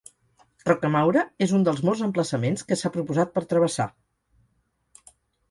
Roquemaure és un dels molts emplaçaments que s'ha proposat per travessar.